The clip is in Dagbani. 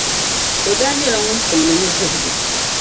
O daa nyɛla ŋun soŋdi ni vihigu .